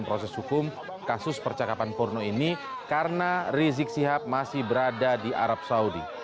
proses hukum kasus percakapan porno ini karena rizik sihab masih berada di arab saudi